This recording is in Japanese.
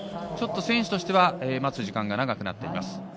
選手としては待つ時間が長くなっています。